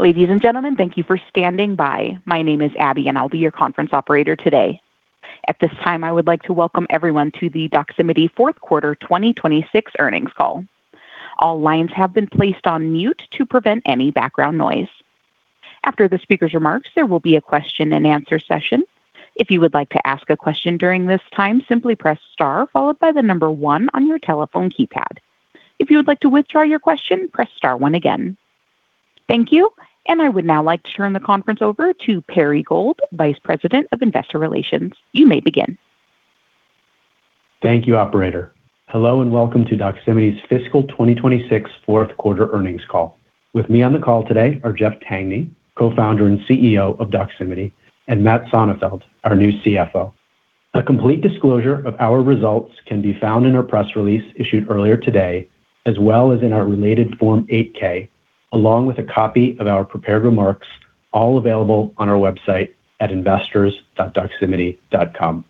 Ladies and gentlemen, thank you for standing by. My name is Abby, and I'll be your conference operator today. At this time, I would like to welcome everyone to the Doximity fourth quarter 2026 earnings call. All lines have been placed on mute to prevent any background noise. After the speaker's remarks, there will be a question-and-answer session. If you would like to ask a question during this time, simply press star followed by the number one on your telephone keypad. If you would like to withdraw your question, press star one again. Thank you, and I would now like to turn the conference over to Perry Gold, Vice President of Investor Relations. You may begin. Thank you, operator. Hello, and welcome to Doximity's fiscal 2026 fourth quarter earnings call. With me on the call today are Jeff Tangney, co-founder and CEO of Doximity, and Matt Sonefeldt, our new CFO. A complete disclosure of our results can be found in our press release issued earlier today, as well as in our related Form 8-K, along with a copy of our prepared remarks, all available on our website at investors.doximity.com.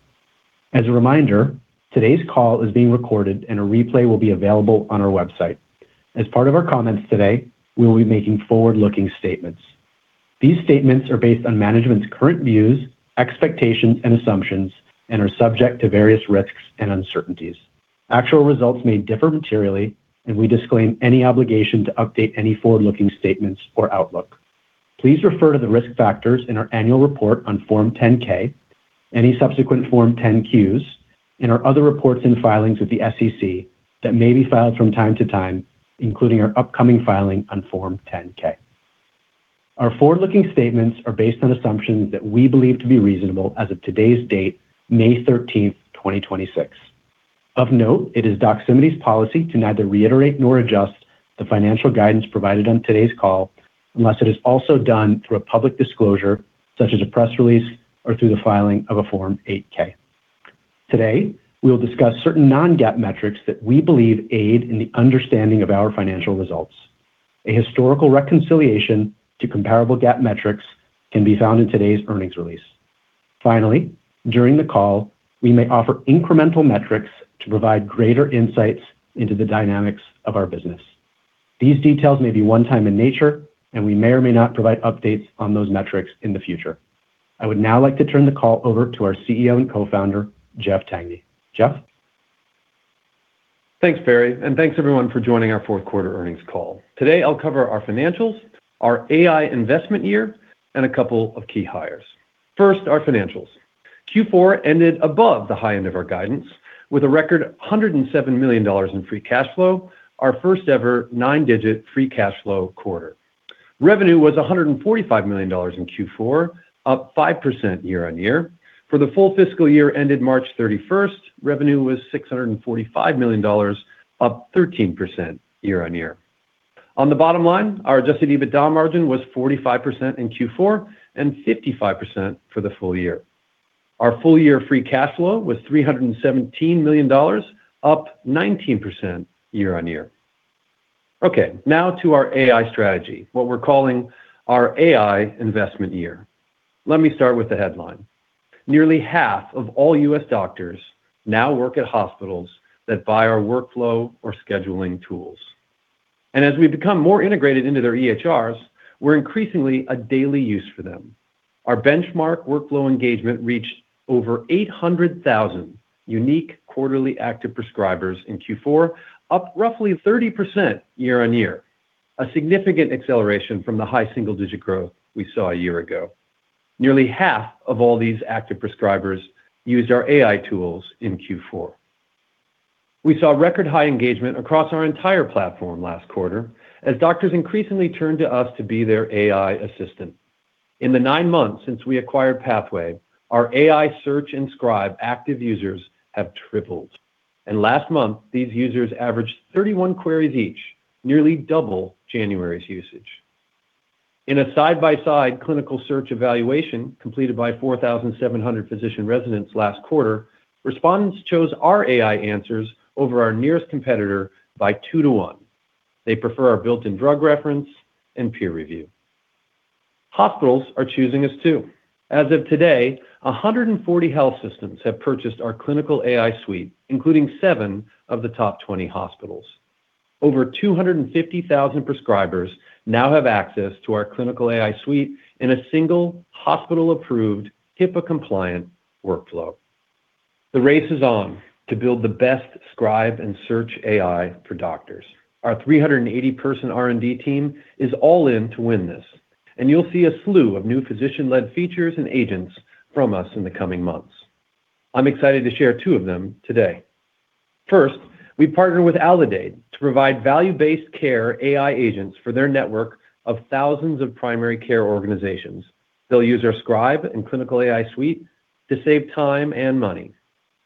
As a reminder, today's call is being recorded and a replay will be available on our website. As part of our comments today, we will be making forward-looking statements. These statements are based on management's current views, expectations, and assumptions and are subject to various risks and uncertainties. Actual results may differ materially, and we disclaim any obligation to update any forward-looking statements or outlook. Please refer to the risk factors in our annual report on Form 10-K, any subsequent Form 10-Q, and our other reports and filings with the SEC that may be filed from time to time, including our upcoming filing on Form 10-K. Our forward-looking statements are based on assumptions that we believe to be reasonable as of today's date, May 13, 2026. Of note, it is Doximity's policy to neither reiterate nor adjust the financial guidance provided on today's call unless it is also done through a public disclosure, such as a press release or through the filing of a Form 8-K. Today, we will discuss certain non-GAAP metrics that we believe aid in the understanding of our financial results. A historical reconciliation to comparable GAAP metrics can be found in today's earnings release. Finally, during the call, we may offer incremental metrics to provide greater insights into the dynamics of our business. These details may be one time in nature, and we may or may not provide updates on those metrics in the future. I would now like to turn the call over to our CEO and co-founder, Jeff Tangney. Jeff? Thanks, Perry, and thanks everyone for joining our fourth quarter earnings call. Today, I'll cover our financials, our AI investment year, and a couple of key hires. First, our financials. Q4 ended above the high end of our guidance with a record $107 million in free cash flow, our first ever nine-digit free cash flow quarter. Revenue was $145 million in Q4, up 5% year-on-year. For the full fiscal year ended March 31st, revenue was $645 million, up 13% year-on-year. On the bottom line, our adjusted EBITDA margin was 45% in Q4 and 55% for the full year. Our full-year free cash flow was $317 million, up 19% year-on-year. Okay, now to our AI strategy, what we're calling our AI investment year. Let me start with the headline. Nearly half of all U.S. doctors now work at hospitals that buy our workflow or scheduling tools. As we've become more integrated into their EHRs, we're increasingly a daily use for them. Our benchmark workflow engagement reached over 800,000 unique quarterly active prescribers in Q4, up roughly 30% year-on-year, a significant acceleration from the high single-digit growth we saw a year ago. Nearly half of all these active prescribers used our AI tools in Q4. We saw record high engagement across our entire platform last quarter as doctors increasingly turned to us to be their AI assistant. In the nine months since we acquired Pathway, our AI Search and Scribe active users have tripled. Last month, these users averaged 31 queries each, nearly double January's usage. In a side-by-side clinical search evaluation completed by 4,700 physician residents last quarter, respondents chose our AI answers over our nearest competitor by two to one. They prefer our built-in drug reference and peer review. Hospitals are choosing us too. As of today, 140 health systems have purchased our Clinical AI Suite, including seven of the top 20 hospitals. Over 250,000 prescribers now have access to our Clinical AI Suite in a single hospital-approved, HIPAA-compliant workflow. The race is on to build the best Scribe and Search AI for doctors. Our 380-person R&D team is all in to win this, and you'll see a slew of new physician-led features and agents from us in the coming months. I'm excited to share two of them today. First, we partnered with Aledade to provide value-based care AI agents for their network of thousands of primary care organizations. They'll use our Scribe and Clinical AI suite to save time and money.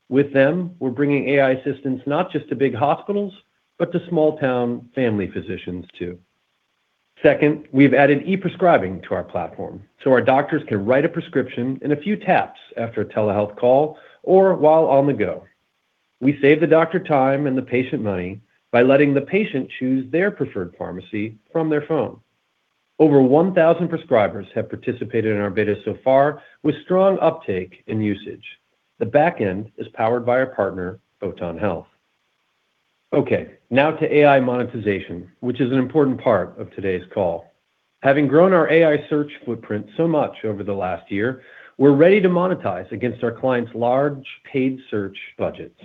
With them, we're bringing AI assistance not just to big hospitals, but to small-town family physicians too. Second, we've added e-prescribing to our platform, so our doctors can write a prescription in a few taps after a telehealth call or while on the go. We save the doctor time and the patient money by letting the patient choose their preferred pharmacy from their phone. Over 1,000 prescribers have participated in our beta so far with strong uptake in usage. The back end is powered by our partner, Photon Health. Okay, now to AI monetization, which is an important part of today's call. Having grown our AI Search footprint so much over the last year, we're ready to monetize against our clients' large paid search budgets.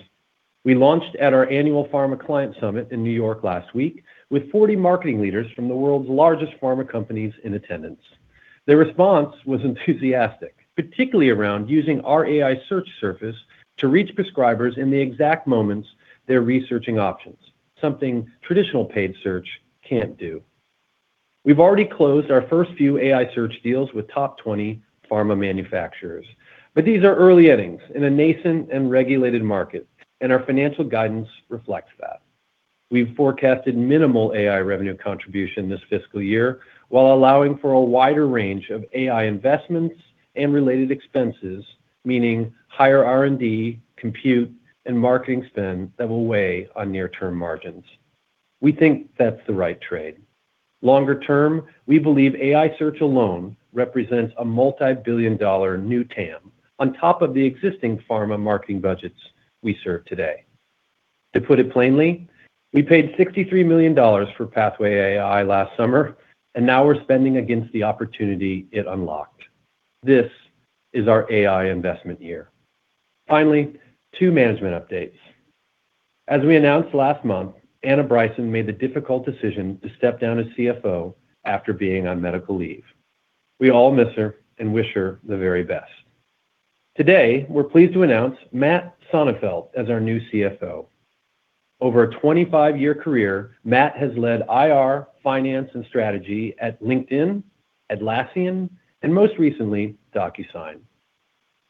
We launched at our annual Pharma Client Summit in New York last week with 40 marketing leaders from the world's largest pharma companies in attendance. Their response was enthusiastic, particularly around using our AI Search surface to reach prescribers in the exact moments they're researching options, something traditional paid search can't do. We've already closed our first few AI Search deals with top 20 pharma manufacturers, but these are early innings in a nascent and regulated market, and our financial guidance reflects that. We've forecasted minimal AI revenue contribution this fiscal year while allowing for a wider range of AI investments and related expenses, meaning higher R&D, compute, and marketing spend that will weigh on near-term margins. We think that's the right trade. Longer term, we believe AI Search alone represents a multi-billion dollar new TAM on top of the existing pharma marketing budgets we serve today. To put it plainly, we paid $63 million for Pathway Medical last summer, and now we're spending against the opportunity it unlocked. This is our AI investment year. Finally, two management updates. As we announced last month, Anna Bryson made the difficult decision to step down as CFO after being on medical leave. We all miss her and wish her the very best. Today, we're pleased to announce Matt Sonefeldt as our new CFO. Over a 25-year career, Matt has led IR, finance, and strategy at LinkedIn, Atlassian, and most recently, DocuSign.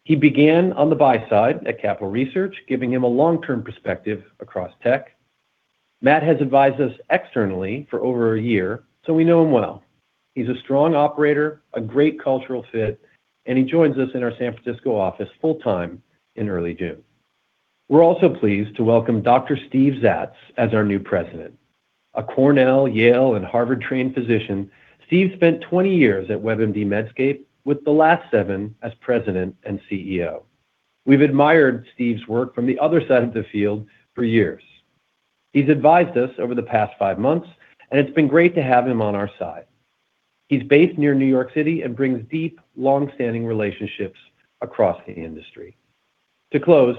He began on the buy side at Capital Research, giving him a long-term perspective across tech. Matt has advised us externally for over a year, so we know him well. He's a strong operator, a great cultural fit, and he joins us in our San Francisco office full-time in early June. We're also pleased to welcome Dr. Steve Zatz as our new President. A Cornell, Yale, and Harvard-trained physician, Steve spent 20 years at WebMD Medscape with the last seven as President and CEO. We've admired Steve's work from the other side of the field for years. He's advised us over the past five months, and it's been great to have him on our side. He's based near New York City and brings deep, long-standing relationships across the industry. To close,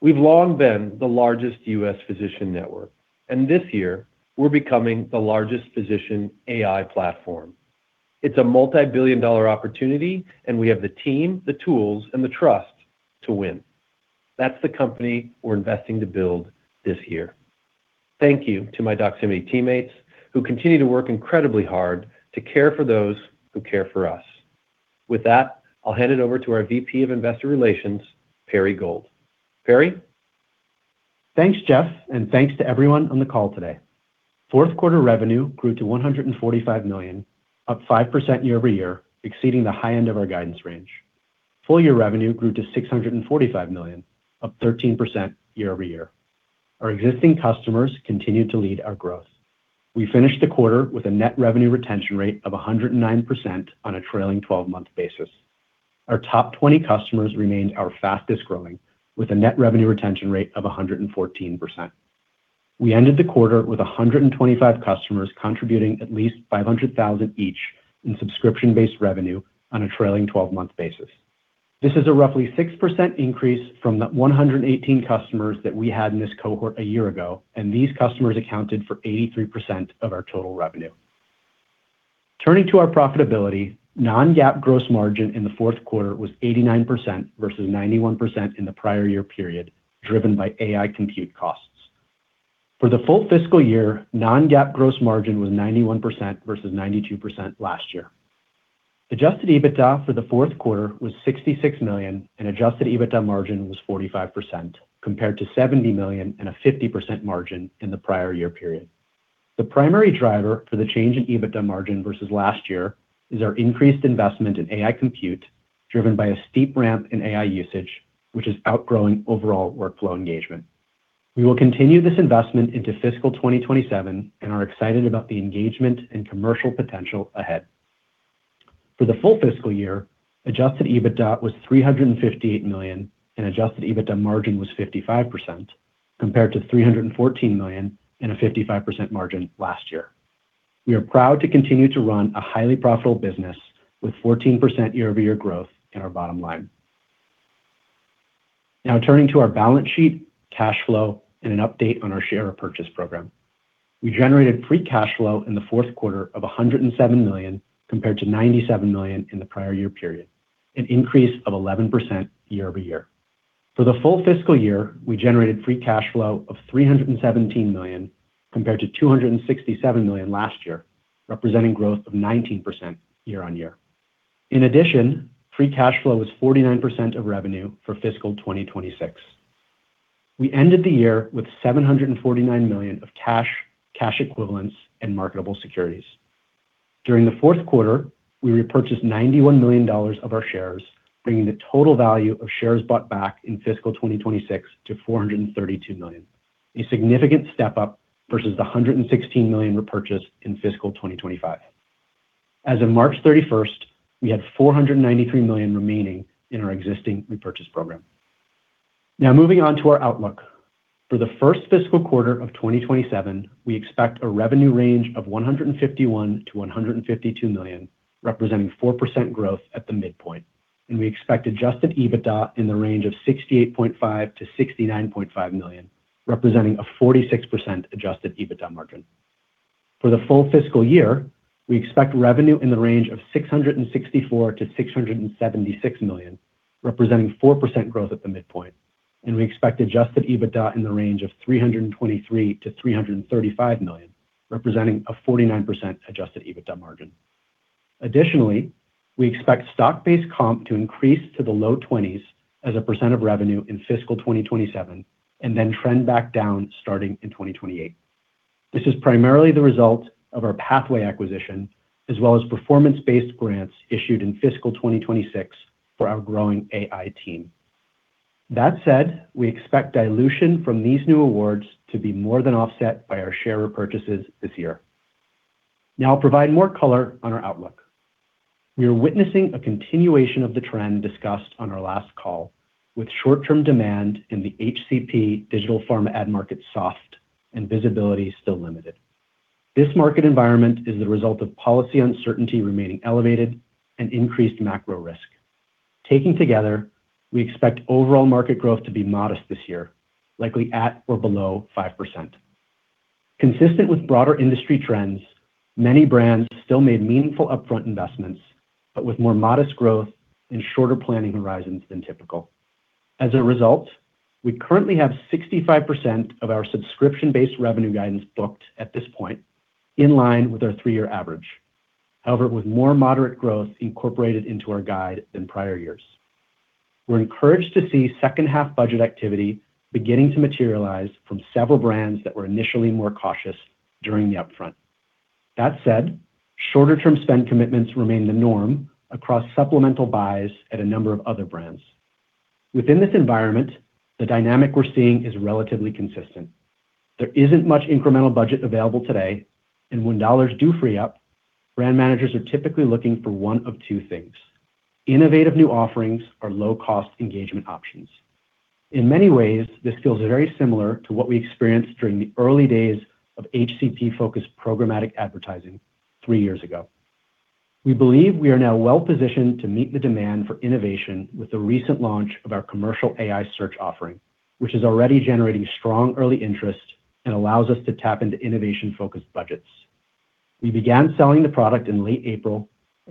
we've long been the largest U.S. physician network, and this year, we're becoming the largest physician AI platform. It's a multi-billion dollar opportunity, and we have the team, the tools, and the trust to win. That's the company we're investing to build this year. Thank you to my Doximity teammates who continue to work incredibly hard to care for those who care for us. With that, I'll hand it over to our VP of Investor Relations, Perry Gold. Perry? Thanks, Jeff, and thanks to everyone on the call today. fourth quarter revenue grew to $145 million, up 5% year-over-year, exceeding the high end of our guidance range. Full year revenue grew to $645 million, up 13% year-over-year. Our existing customers continued to lead our growth. We finished the quarter with a net revenue retention rate of 109% on a trailing 12-month basis. Our top 20 customers remained our fastest-growing, with a net revenue retention rate of 114%. We ended the quarter with 125 customers contributing at least $500,000 each in subscription-based revenue on a trailing twelve-month basis. This is a roughly 6% increase from the 118 customers that we had in this cohort a year ago, and these customers accounted for 83% of our total revenue. Turning to our profitability, non-GAAP gross margin in the fourth quarter was 89% versus 91% in the prior year period, driven by AI compute costs. For the full fiscal year, non-GAAP gross margin was 91% versus 92% last year. Adjusted EBITDA for the fourth quarter was $66 million, and adjusted EBITDA margin was 45%, compared to $70 million and a 50% margin in the prior year period. The primary driver for the change in EBITDA margin versus last year is our increased investment in AI compute, driven by a steep ramp in AI usage, which is outgrowing overall workflow engagement. We will continue this investment into fiscal 2027 and are excited about the engagement and commercial potential ahead. For the full fiscal year, adjusted EBITDA was $358 million, and adjusted EBITDA margin was 55%, compared to $314 million and a 55% margin last year. We are proud to continue to run a highly profitable business with 14% year-over-year growth in our bottom line. Turning to our balance sheet, cash flow, and an update on our share repurchase program. We generated free cash flow in the fourth quarter of $107 million, compared to $97 million in the prior year period, an increase of 11% year-over-year. For the full fiscal year, we generated free cash flow of $317 million, compared to $267 million last year, representing growth of 19% year-on-year. In addition, free cash flow was 49% of revenue for fiscal 2026. We ended the year with $749 million of cash equivalents, and marketable securities. During the fourth quarter, we repurchased $91 million of our shares, bringing the total value of shares bought back in fiscal 2026 to $432 million, a significant step up versus the $116 million repurchased in fiscal 2025. As of March 31st, we had $493 million remaining in our existing repurchase program. Now moving on to our outlook. For the first fiscal quarter of 2027, we expect a revenue range of $151 million-$152 million, representing 4% growth at the midpoint. We expect adjusted EBITDA in the range of $68.5 million-$69.5 million, representing a 46% adjusted EBITDA margin. For the full fiscal year, we expect revenue in the range of $664 million-$676 million, representing 4% growth at the midpoint. We expect adjusted EBITDA in the range of $323 million-$335 million, representing a 49% adjusted EBITDA margin. Additionally, we expect stock-based comp to increase to the low 20s as a % of revenue in fiscal 2027 and then trend back down starting in 2028. This is primarily the result of our Pathway acquisition as well as performance-based grants issued in fiscal 2026 for our growing AI team. That said, we expect dilution from these new awards to be more than offset by our share repurchases this year. Now I'll provide more color on our outlook. We are witnessing a continuation of the trend discussed on our last call with short-term demand in the HCP digital pharma ad market soft and visibility still limited. This market environment is the result of policy uncertainty remaining elevated and increased macro risk. Taking together, we expect overall market growth to be modest this year, likely at or below 5%. Consistent with broader industry trends, many brands still made meaningful upfront investments, but with more modest growth and shorter planning horizons than typical. As a result, we currently have 65% of our subscription-based revenue guidance booked at this point, in line with our three-year average, however, with more moderate growth incorporated into our guide than prior years. We're encouraged to see second-half budget activity beginning to materialize from several brands that were initially more cautious during the upfront. Shorter-term spend commitments remain the norm across supplemental buys at a number of other brands. Within this environment, the dynamic we're seeing is relatively consistent. There isn't much incremental budget available today, and when dollars do free up, brand managers are typically looking for one of two things: innovative new offerings or low-cost engagement options. In many ways, this feels very similar to what we experienced during the early days of HCP-focused programmatic advertising three years ago. We believe we are now well-positioned to meet the demand for innovation with the recent launch of our commercial AI Search offering, which is already generating strong early interest and allows us to tap into innovation-focused budgets. While we began selling the product in late April,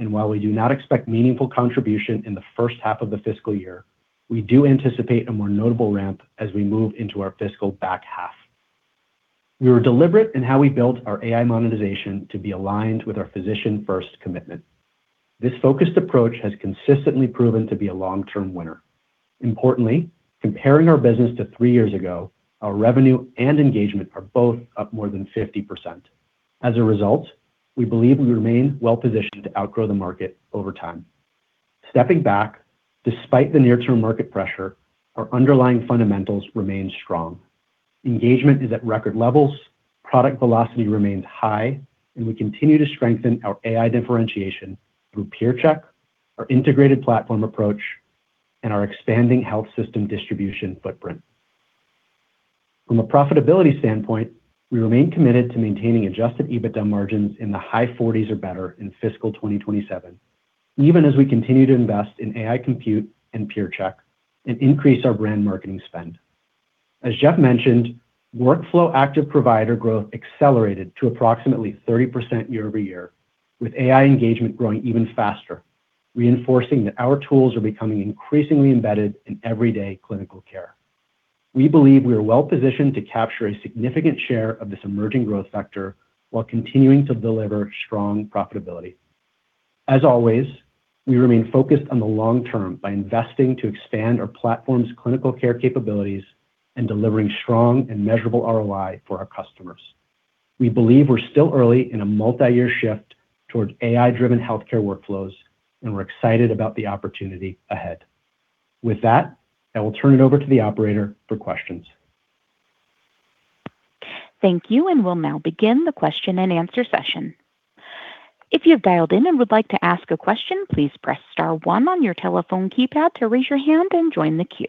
we do not expect meaningful contribution in the first half of the fiscal year. We do anticipate a more notable ramp as we move into our fiscal back half. We were deliberate in how we built our AI monetization to be aligned with our physician-first commitment. This focused approach has consistently proven to be a long-term winner. Importantly, comparing our business to three years ago, our revenue and engagement are both up more than 50%. As a result, we believe we remain well-positioned to outgrow the market over time. Stepping back, despite the near-term market pressure, our underlying fundamentals remain strong. Engagement is at record levels, product velocity remains high. We continue to strengthen our AI differentiation through PeerCheck, our integrated platform approach, and our expanding health system distribution footprint. From a profitability standpoint, we remain committed to maintaining adjusted EBITDA margins in the high 40s or better in fiscal 2027, even as we continue to invest in AI compute and PeerCheck and increase our brand marketing spend. As Jeff mentioned, workflow active provider growth accelerated to approximately 30% year-over-year, with AI engagement growing even faster, reinforcing that our tools are becoming increasingly embedded in everyday clinical care. We believe we are well-positioned to capture a significant share of this emerging growth factor while continuing to deliver strong profitability. As always, we remain focused on the long term by investing to expand our platform's clinical care capabilities and delivering strong and measurable ROI for our customers. We believe we're still early in a multi-year shift towards AI-driven healthcare workflows, and we're excited about the opportunity ahead. With that, I will turn it over to the operator for questions. Thank you. We'll now begin the question-and-answer session. If you have dialed in and would like to ask a question, please press star one on your telephone keypad to raise your hand and join the queue.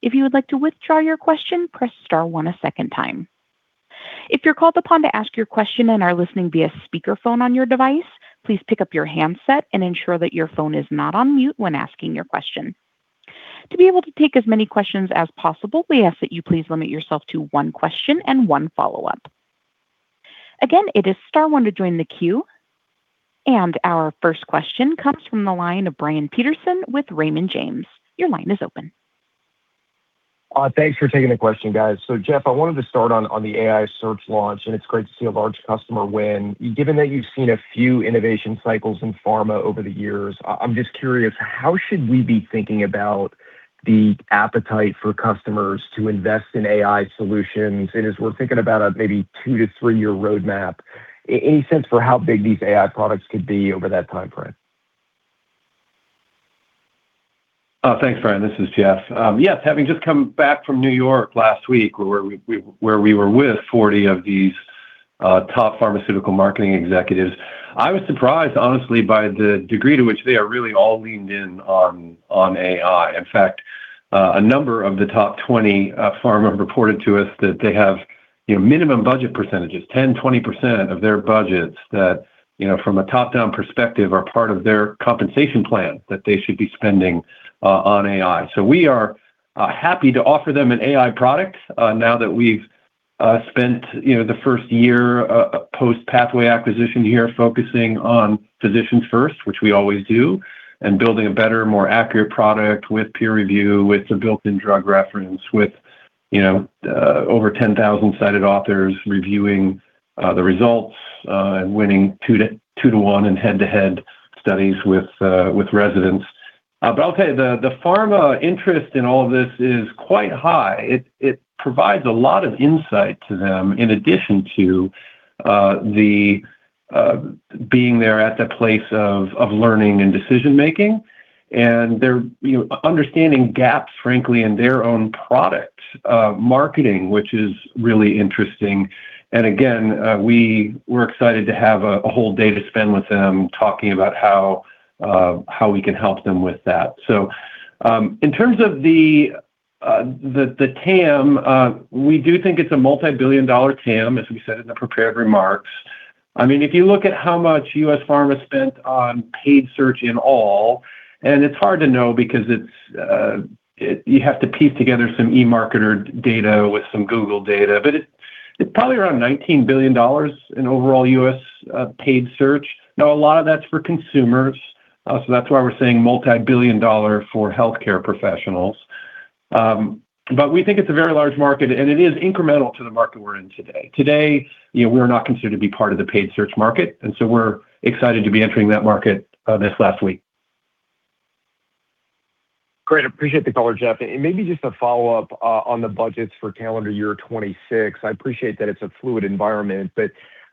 If you would like to withdraw your question, press star one a second time. If you're called upon to ask your question and are listening via speakerphone on your device, please pick up your handset and ensure that your phone is not on mute when asking your question. To be able to take as many questions as possible, we ask that you please limit yourself to one question and one follow-up. Again, it is star one to join the queue. Our first question comes from the line of Brian Peterson with Raymond James. Your line is open. Thanks for taking the question, guys. Jeff, I wanted to start on the AI Search launch, and it's great to see a large customer win. Given that you've seen a few innovation cycles in pharma over the years, I'm just curious, how should we be thinking about the appetite for customers to invest in AI solutions? As we're thinking about a maybe two to three-year roadmap, any sense for how big these AI products could be over that timeframe? Thanks, Brian. This is Jeff. Having just come back from New York last week where we were with 40 of these top pharmaceutical marketing executives, I was surprised, honestly, by the degree to which they are really all leaned in on AI. A number of the top 20 pharma have reported to us that they have, you know, minimum budget percentages, 10, 20% of their budgets that, you know, from a top-down perspective are part of their compensation plan that they should be spending on AI. We are happy to offer them an AI product, now that we've spent, you know, the first year, post-Pathway acquisition year focusing on physicians first, which we always do, and building a better, more accurate product with peer review, with some built-in drug reference, with, you know, over 10,000 cited authors reviewing the results, and winning two to one in head-to-head studies with residents. I'll tell you, the pharma interest in all of this is quite high. It provides a lot of insight to them in addition to the being there at the place of learning and decision-making. They're, you know, understanding gaps, frankly, in their own product marketing, which is really interesting. Again, we were excited to have a whole day to spend with them talking about how we can help them with that. In terms of the TAM, we do think it's a multi-billion dollar TAM, as we said in the prepared remarks. I mean, if you look at how much U.S. pharma spent on paid search in all, and it's hard to know because it's, you have to piece together some eMarketer data with some Google data. It's probably around $19 billion in overall U.S. paid search. A lot of that's for consumers, so that's why we're saying multi-billion dollar for healthcare professionals. We think it's a very large market, and it is incremental to the market we're in today. Today, you know, we're not considered to be part of the paid search market, and so we're excited to be entering that market, this last week. Great. Appreciate the color, Jeff. Maybe just a follow-up on the budgets for calendar year 2026. I appreciate that it's a fluid environment,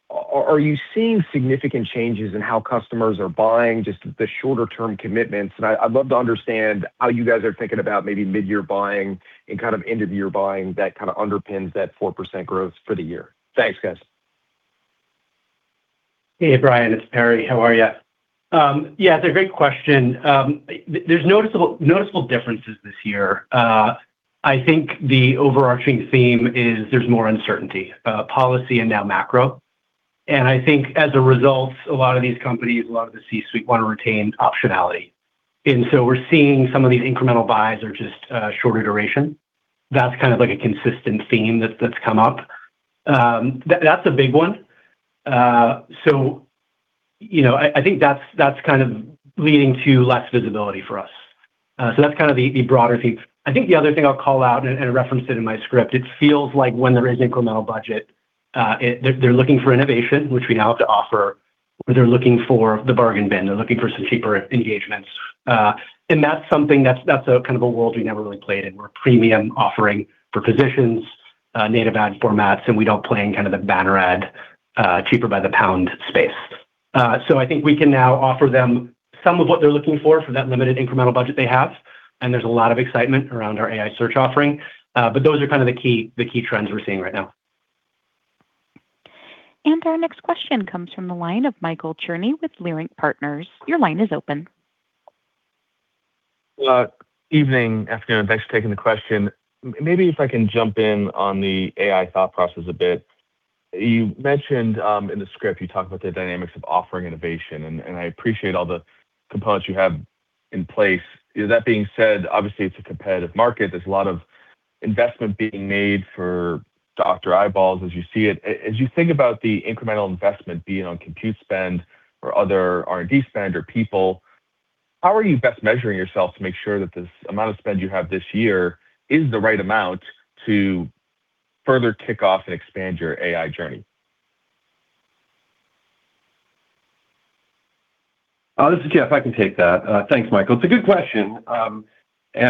are you seeing significant changes in how customers are buying just the shorter term commitments? I'd love to understand how you guys are thinking about maybe mid-year buying and kind of end-of-year buying that kind of underpins that 4% growth for the year. Thanks, guys. Hey, Brian. It's Perry. How are you? Yeah, it's a great question. There's noticeable differences this year. I think the overarching theme is there's more uncertainty, policy and now macro. I think as a result, a lot of these companies, a lot of the C-suite want to retain optionality. We're seeing some of these incremental buys are just shorter duration. That's kind of like a consistent theme that's come up. That's a big one. You know, I think that's kind of leading to less visibility for us. That's kind of the broader theme. I think the other thing I'll call out and referenced it in my script, it feels like when there is incremental budget, they're looking for innovation, which we now have to offer, or they're looking for the bargain bin. They're looking for some cheaper engagements. That's something that's a kind of a world we never really played in. We're a premium offering for physicians, native ad formats, and we don't play in kind of the banner ad, cheaper by the pound space. I think we can now offer them some of what they're looking for for that limited incremental budget they have, and there's a lot of excitement around our AI Search offering. Those are kind of the key trends we're seeing right now. Our next question comes from the line of Michael Cherny with Leerink Partners. Your line is open. Evening, afternoon. Thanks for taking the question. Maybe if I can jump in on the AI thought process a bit. You mentioned in the script, you talked about the dynamics of offering innovation, and I appreciate all the components you have in place. You know, that being said, obviously, it's a competitive market. There's a lot of investment being made for doctor eyeballs as you see it. As you think about the incremental investment being on compute spend or other R&D spend or people, how are you best measuring yourself to make sure that this amount of spend you have this year is the right amount to further kick off and expand your AI journey? This is Jeff. I can take that. Thanks, Michael. It's a good question. You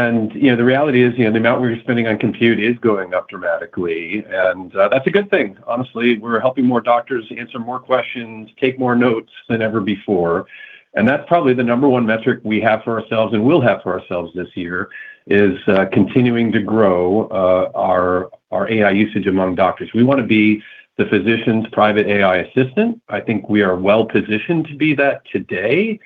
know, the reality is, you know, the amount we're spending on compute is going up dramatically, that's a good thing. Honestly, we're helping more doctors answer more questions, take more notes than ever before. That's probably the number one metric we have for ourselves and will have for ourselves this year, is continuing to grow our AI usage among doctors. We wanna be the physician's private AI assistant. I think we are well positioned to be that today.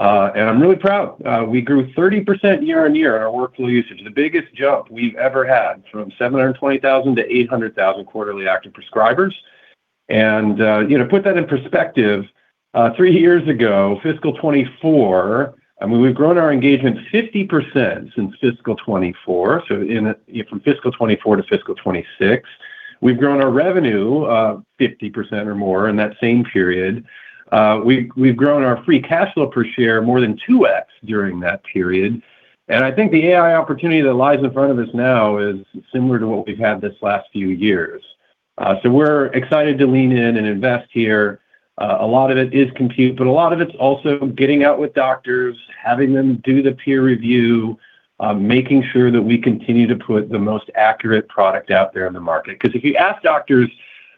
I'm really proud. We grew 30% year-on-year in our workflow usage, the biggest jump we've ever had from 720,000-800,000 quarterly active prescribers. You know, put that in perspective, three years ago, fiscal 2024, I mean, we've grown our engagement 50% since fiscal 2024. From fiscal 2024 to fiscal 2026, we've grown our revenue, 50% or more in that same period. We've grown our free cash flow per share more than 2x during that period. I think the AI opportunity that lies in front of us now is similar to what we've had this last few years. We're excited to lean in and invest here. A lot of it is compute, but a lot of it's also getting out with doctors, having them do the peer review, making sure that we continue to put the most accurate product out there in the market. If you ask doctors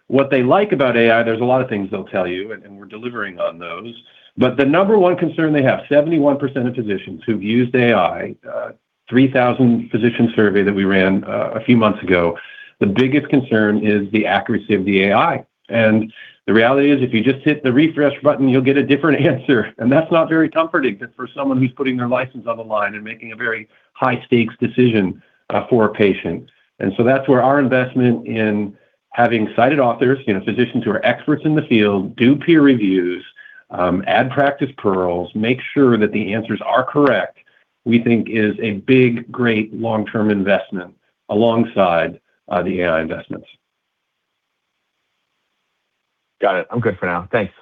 what they like about AI, there's a lot of things they'll tell you, and we're delivering on those. The number one concern they have, 71% of physicians who've used AI, 3,000 physician survey that we ran a few months ago, the biggest concern is the accuracy of the AI. The reality is, if you just hit the refresh button, you'll get a different answer. That's not very comforting for someone who's putting their license on the line and making a very high-stakes decision for a patient. That's where our investment in having cited authors, you know, physicians who are experts in the field, do peer reviews, add practice pearls, make sure that the answers are correct, we think is a big, great long-term investment alongside the AI investments. Got it. I'm good for now. Thanks.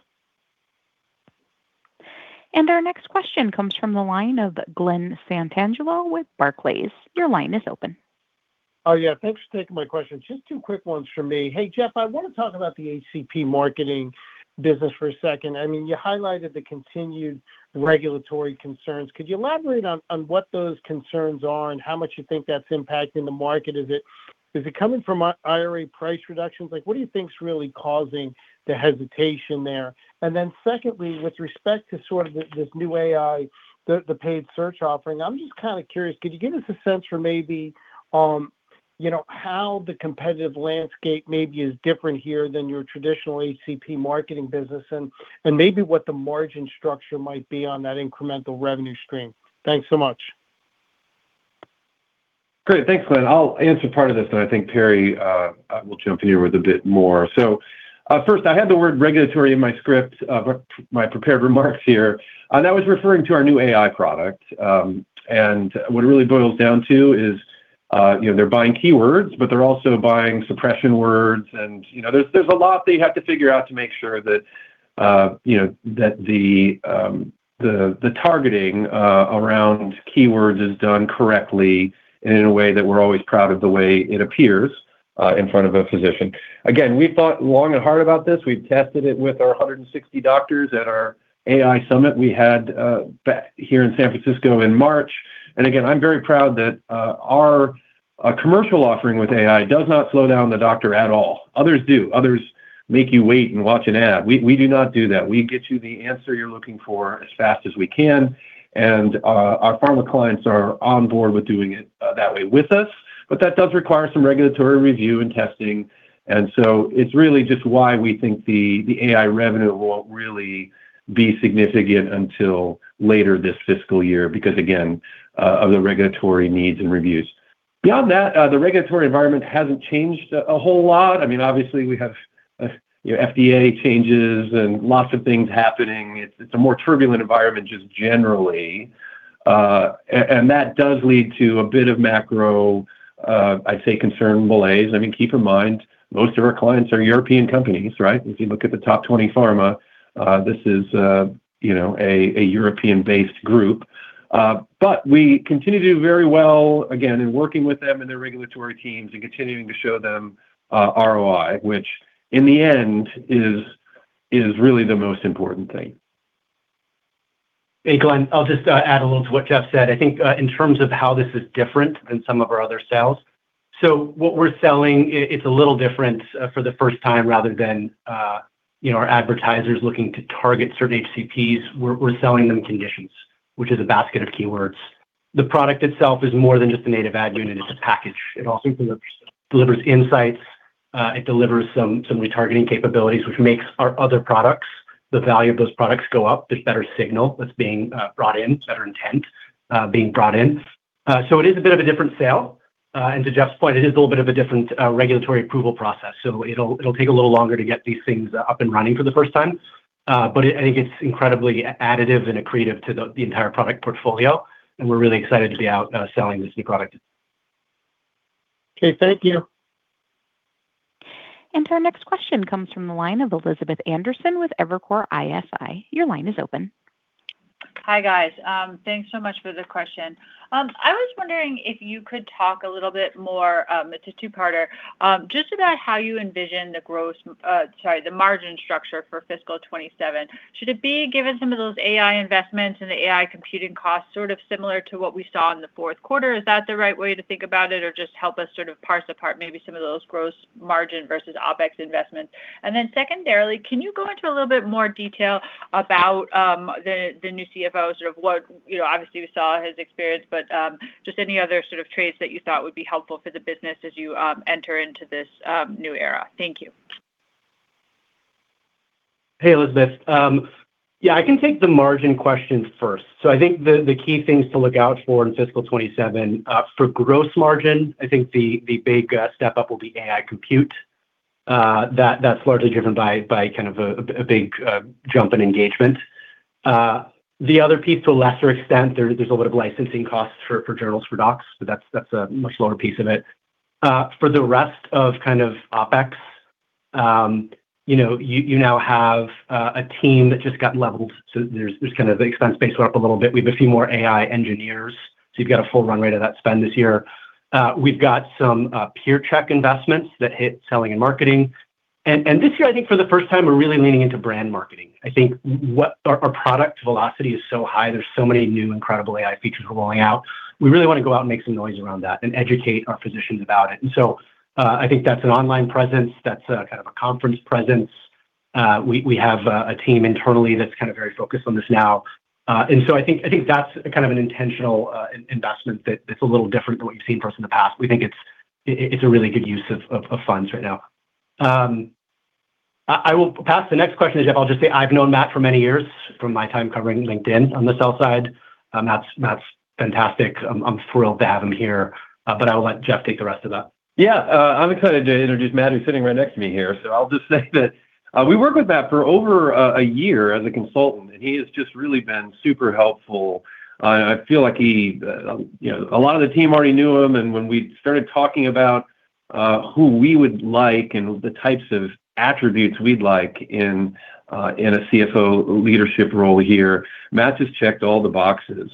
Our next question comes from the line of Glen Santangelo with Barclays. Your line is open. Oh, yeah. Thanks for taking my question. Just two quick ones from me. Hey, Jeff, I wanna talk about the HCP marketing business for a second. I mean, you highlighted the continued regulatory concerns. Could you elaborate on what those concerns are and how much you think that's impacting the market? Is it coming from IRA price reductions? Like, what do you think is really causing the hesitation there? Secondly, with respect to sort of this new AI, the AI Search offering, I'm just kinda curious, could you give us a sense for maybe, you know, how the competitive landscape maybe is different here than your traditional HCP marketing business and maybe what the margin structure might be on that incremental revenue stream? Thanks so much. Great. Thanks, Glen. I'll answer part of this, and I think Perry will jump in here with a bit more. First, I had the word regulatory in my script, my prepared remarks here, that was referring to our new AI product. What it really boils down to is, you know, they're buying keywords, but they're also buying suppression words and, you know, there's a lot they have to figure out to make sure that, you know, that the targeting around keywords is done correctly and in a way that we're always proud of the way it appears in front of a physician. Again, we thought long and hard about this. We've tested it with our 160 doctors at our AI summit we had here in San Francisco in March. Again, I'm very proud that our commercial offering with AI does not slow down the doctor at all. Others do. Others make you wait and watch an ad. We do not do that. We get you the answer you're looking for as fast as we can. Our pharma clients are on board with doing it that way with us. That does require some regulatory review and testing. It's really just why we think the AI revenue won't really be significant until later this fiscal year because, again, of the regulatory needs and reviews. Beyond that, the regulatory environment hasn't changed a whole lot. I mean, obviously, we have, you know, FDA changes and lots of things happening. It's a more turbulent environment just generally. That does lead to a bit of macro, I mean, I'd say concern malaise. I mean, keep in mind, most of our clients are European companies, right? If you look at the top 20 pharma, this is, you know, a European-based group. We continue to do very well, again, in working with them and their regulatory teams and continuing to show them, ROI, which in the end is really the most important thing. Hey, Glen. I'll just add a little to what Jeff said. I think, in terms of how this is different than some of our other sales. What we're selling, it's a little different, for the first time, rather than, you know, our advertisers looking to target certain HCPs, we're selling them conditions, which is a basket of keywords. The product itself is more than just a native ad unit. It's a package. It also delivers insights. It delivers some retargeting capabilities, which makes our other products, the value of those products go up. There's better signal that's being brought in, better intent, being brought in. It is a bit of a different sale. To Jeff's point, it is a little bit of a different regulatory approval process. It'll take a little longer to get these things up and running for the first time. I think it's incredibly additive and accretive to the entire product portfolio, and we're really excited to be out, selling this new product. Okay. Thank you. Our next question comes from the line of Elizabeth Anderson with Evercore ISI. Your line is open. Hi, guys. Thanks so much for the question. I was wondering if you could talk a little bit more, it's a two-parter, just about how you envision the gross, sorry, the margin structure for fiscal 2027. Should it be given some of those AI investments and the AI computing costs sort of similar to what we saw in the fourth quarter? Is that the right way to think about it? Or just help us sort of parse apart maybe some of those gross margin versus OpEx investments. Secondarily, can you go into a little bit more detail about the new CFOs of what you know, obviously, we saw his experience, but just any other sort of trades that you thought would be helpful for the business as you enter into this new era. Thank you. Hey, Elizabeth. Yeah, I can take the margin question first. I think the key things to look out for in fiscal 27 for gross margin, I think the big step-up will be AI compute. That's largely driven by kind of a big jump in engagement. The other piece to a lesser extent, there's a lot of licensing costs for journals for docs, but that's a much lower piece of it. For the rest of kind of OpEx, you know, you now have a team that just got leveled. There's kind of the expense base went up a little bit. We have a few more AI engineers, you've got a full run rate of that spend this year. We've got some PeerCheck investments that hit selling and marketing. This year, I think for the first time, we're really leaning into brand marketing. I think our product velocity is so high. There's so many new incredible AI features we're rolling out. We really wanna go out and make some noise around that and educate our physicians about it. I think that's an online presence. That's a kind of a conference presence. We have a team internally that's kind of very focused on this now. I think that's kind of an intentional investment that's a little different than what you've seen from us in the past. We think it's a really good use of funds right now. I will pass the next question to Jeff. I'll just say I've known Matt for many years from my time covering LinkedIn on the sell side. Matt's fantastic. I'm thrilled to have him here, but I will let Jeff take the rest of that. Yeah. I'm excited to introduce Matt, who's sitting right next to me here. I'll just say that we worked with Matt for over a year as a consultant, and he has just really been super helpful. I feel like he, you know, a lot of the team already knew him, and when we started talking about who we would like and the types of attributes we'd like in a CFO leadership role here, Matt's just checked all the boxes.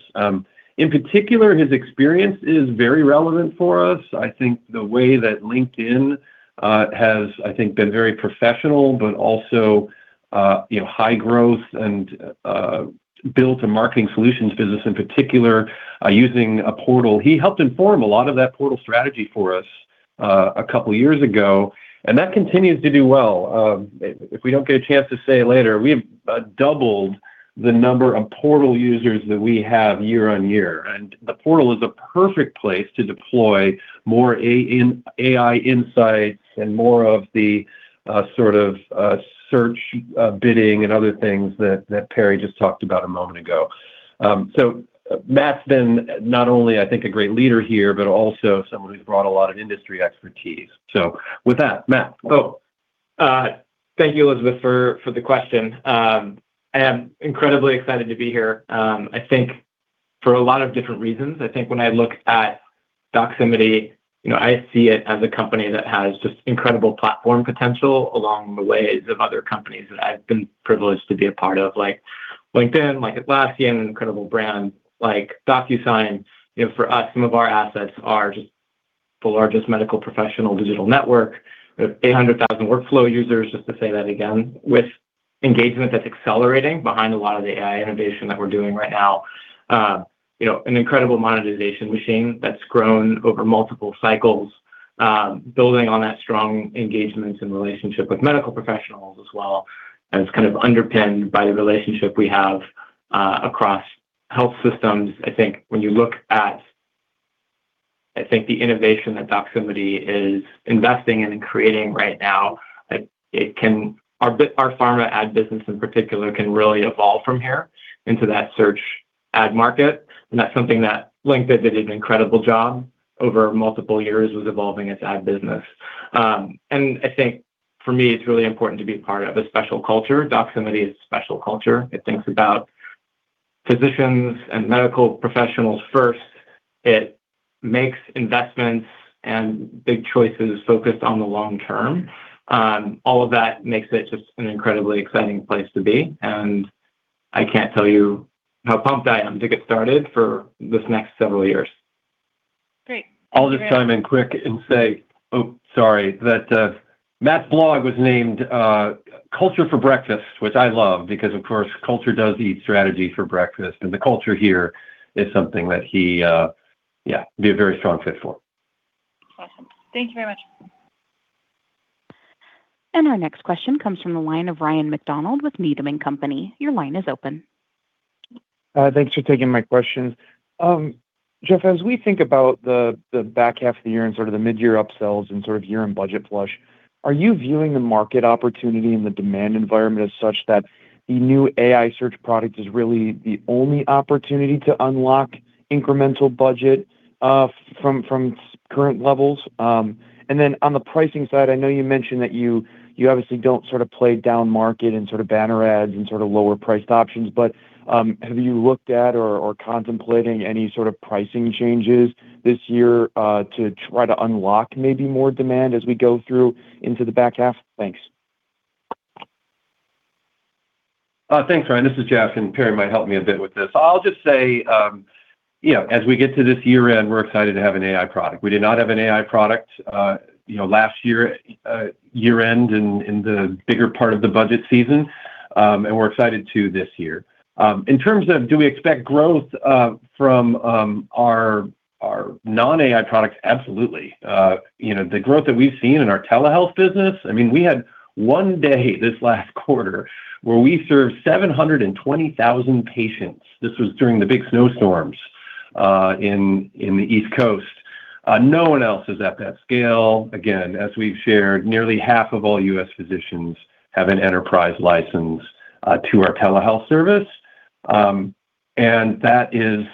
In particular, his experience is very relevant for us. I think the way that LinkedIn has, I think, been very professional, but also, you know, high growth and built a marketing solutions business in particular, using a portal. He helped inform a lot of that portal strategy for us two years ago. That continues to do well. If we don't get a chance to say it later, we have doubled the number of portal users that we have year-over-year. The portal is a perfect place to deploy more AI insights and more of the sort of search bidding and other things that Perry Gold just talked about a moment ago. Matt's been not only, I think, a great leader here, but also someone who's brought a lot of industry expertise. With that, Matt. Thank you, Elizabeth, for the question. I am incredibly excited to be here, I think for a lot of different reasons. I think when I look at Doximity, you know, I see it as a company that has just incredible platform potential along the ways of other companies that I've been privileged to be a part of, like LinkedIn, like Atlassian, an incredible brand like DocuSign. You know, for us, some of our assets are just the largest medical professional digital network. We have 800,000 workflow users, just to say that again, with engagement that's accelerating behind a lot of the AI innovation that we're doing right now. You know, an incredible monetization machine that's grown over multiple cycles, building on that strong engagement and relationship with medical professionals as well, and it's kind of underpinned by the relationship we have across health systems. When you look at the innovation that Doximity is investing in and creating right now, our pharma ad business in particular can really evolve from here into that search ad market, and that's something that LinkedIn did an incredible job over multiple years with evolving its ad business. I think for me, it's really important to be part of a special culture. Doximity is a special culture. It thinks about physicians and medical professionals first. It makes investments and big choices focused on the long term. All of that makes it just an incredibly exciting place to be, and I can't tell you how pumped I am to get started for this next several years. Great. Thank you very much. I'll just chime in quick and say that Matt's blog was named Culture for Breakfast, which I love because of course, culture does eat strategy for breakfast, and the culture here is something that he be a very strong fit for. Awesome. Thank you very much. Our next question comes from the line of Ryan MacDonald with Needham & Company. Your line is open. Thanks for taking my question. Jeff, as we think about the back half of the year and sort of the mid-year upsells and sort of year-end budget flush, are you viewing the market opportunity and the demand environment as such that the new AI Search product is really the only opportunity to unlock incremental budget from current levels? On the pricing side, I know you mentioned that you obviously don't sort of play down market in sort of banner ads and sort of lower priced options, but have you looked at or contemplating any sort of pricing changes this year to try to unlock maybe more demand as we go through into the back half? Thanks. Thanks, Ryan. This is Jeff, and Perry might help me a bit with this. I'll just say, you know, as we get to this year-end, we're excited to have an AI product. We did not have an AI product, you know, last year-end in the bigger part of the budget season, and we're excited to this year. In terms of do we expect growth from our non-AI products? Absolutely. You know, the growth that we've seen in our telehealth business, I mean, we had one day this last quarter where we served 720,000 patients. This was during the big snowstorms in the East Coast. No one else is at that scale. Again, as we've shared, nearly half of all U.S. physicians have an enterprise license to our telehealth service. And that is,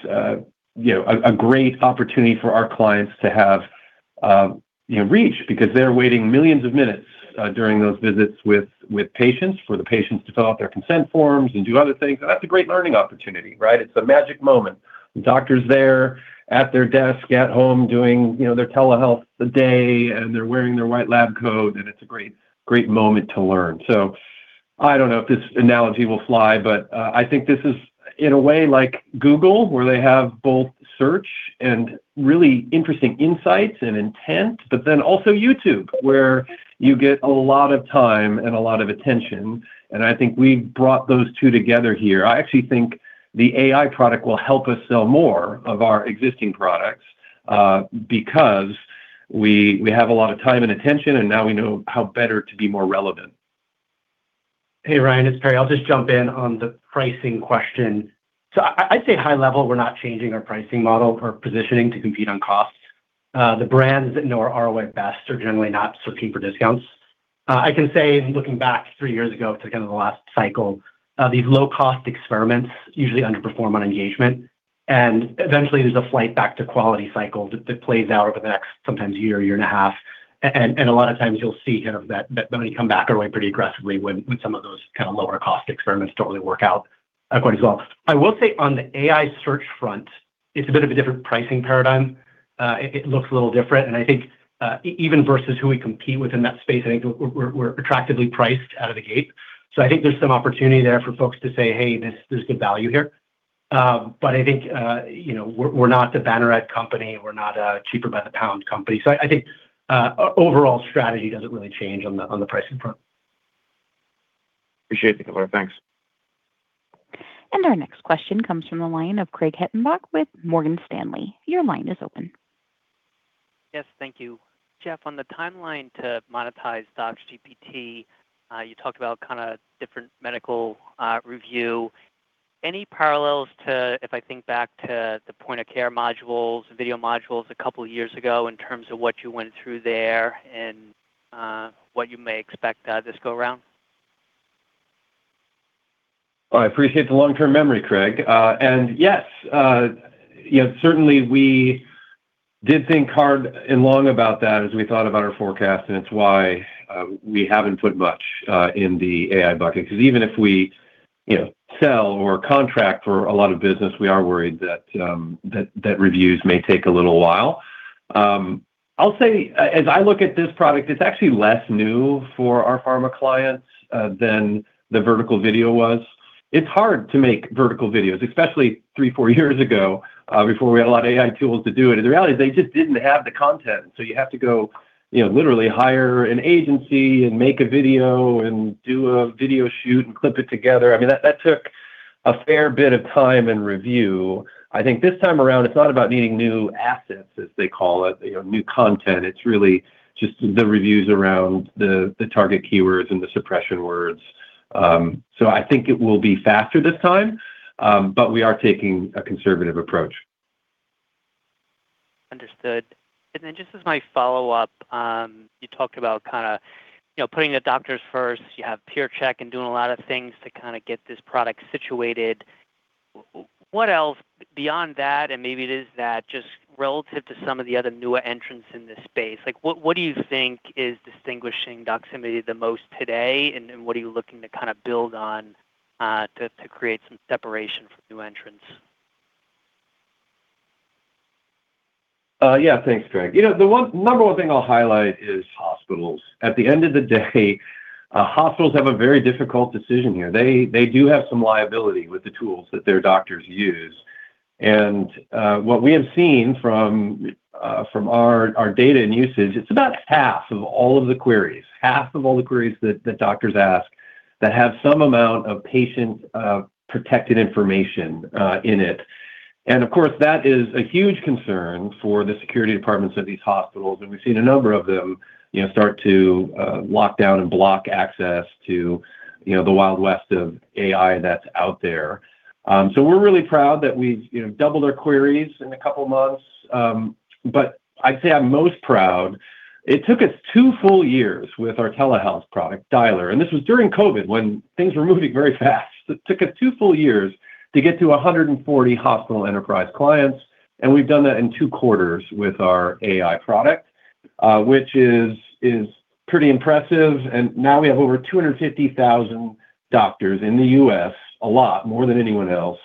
you know, a great opportunity for our clients to have, you know, reach because they're waiting millions of minutes during those visits with patients, for the patients to fill out their consent forms and do other things. That's a great learning opportunity, right? It's the magic moment. The doctor's there at their desk at home doing, you know, their telehealth day, and they're wearing their white lab coat, and it's a great moment to learn. I don't know if this analogy will fly, but I think this is in a way like Google, where they have both search and really interesting insights and intent, but then also YouTube, where you get a lot of time and a lot of attention, and I think we've brought those two together here. I actually think the AI product will help us sell more of our existing products, because we have a lot of time and attention, and now we know how better to be more relevant. Hey Ryan, it's Perry. I'll just jump in on the pricing question. I'd say high level, we're not changing our pricing model or positioning to compete on cost. The brands that know our ROI best are generally not searching for discounts. I can say in looking back three years ago to kind of the last cycle, these low-cost experiments usually underperform on engagement, and eventually there's a flight back to quality cycle that plays out over the next sometimes year, 1.5 years. A lot of times you'll see kind of that money come back our way pretty aggressively when some of those kind of lower cost experiments don't really work out quite as well. I will say on the AI Search front, it's a bit of a different pricing paradigm. It looks a little different and I think, even versus who we compete with in that space, I think we're attractively priced out of the gate. I think there's some opportunity there for folks to say, "Hey, this, there's good value here." I think, you know, we're not the banner ad company. We're not a cheaper by the pound company. I think our overall strategy doesn't really change on the pricing front. Appreciate the color. Thanks. Our next question comes from the line of Craig Hettenbach with Morgan Stanley. Your line is open. Yes, thank you. Jeff, on the timeline to monetize DocsGPT, you talked about kind of different medical review. Any parallels to, if I think back to the point of care modules, video modules a couple years ago in terms of what you went through there and what you may expect this go around? Well, I appreciate the long-term memory, Craig. Yes, you know, certainly we did think hard and long about that as we thought about our forecast and it's why we haven't put much in the AI bucket. 'Cause even if we, you know, sell or contract for a lot of business, we are worried that reviews may take a little while. I'll say as I look at this product, it's actually less new for our pharma clients than the vertical video was. It's hard to make vertical videos, especially three, four years ago, before we had a lot of AI tools to do it, and the reality is they just didn't have the content. You have to go, you know, literally hire an agency and make a video and do a video shoot and clip it together. I mean, that took a fair bit of time and review. I think this time around, it's not about needing new assets, as they call it, you know, new content. It's really just the reviews around the target keywords and the suppression words. I think it will be faster this time, but we are taking a conservative approach. Understood. Just as my follow-up, you talked about kinda, you know, putting the doctors first. You have PeerCheck and doing a lot of things to kinda get this product situated. What else beyond that, and maybe it is that just relative to some of the other newer entrants in this space, like what do you think is distinguishing Doximity the most today, and then what are you looking to kinda build on to create some separation from new entrants? Yeah. Thanks, Craig. You know, the one number one thing I'll highlight is hospitals. At the end of the day, hospitals have a very difficult decision here. They do have some liability with the tools that their doctors use. What we have seen from our data and usage, it's about half of all the queries that doctors ask that have some amount of patient protected information in it. Of course, that is a huge concern for the security departments of these hospitals, and we've seen a number of them, you know, start to lock down and block access to, you know, the Wild West of AI that's out there. We're really proud that we've, you know, doubled our queries in two months. I'd say I'm most proud, it took us two full years with our telehealth product Dialer, and this was during COVID when things were moving very fast. It took us two full years to get to 140 hospital enterprise clients, and we've done that in two quarters with our AI product, which is pretty impressive. Now we have over 250,000 doctors in the U.S., a lot more than anyone else,